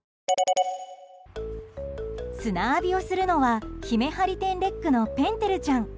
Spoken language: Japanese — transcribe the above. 砂浴びをするのはヒメハリテンレックのぺんてるちゃん。